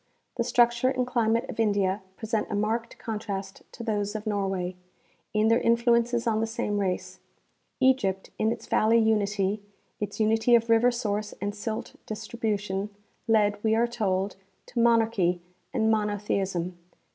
The structure and climate of India present a marked contrast to those of Nor way, in their influences on the same race. Egypt in its valley unity, its unity of river source and silt distribution, led, we are told, to monarchy and monotheism.